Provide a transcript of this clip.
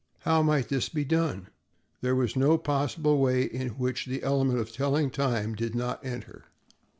How might this be done? There was no possible way in which the element of telling time did not enter.